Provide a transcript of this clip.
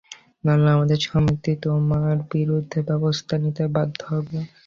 নাহলে, আমাদের সমিতি তোমার বিরুদ্ধে ব্যবস্থা নিতে বাধ্য হবে।